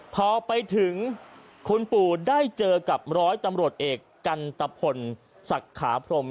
พอไปถึงคุณปู่ได้เจอกับร้อยตำรวจเอกกันตะพลศักดิ์ขาพรม